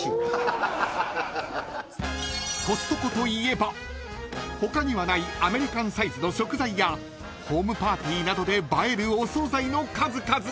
［コストコといえば他にはないアメリカンサイズの食材やホームパーティーなどで映えるお総菜の数々］